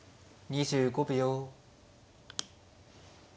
２５秒。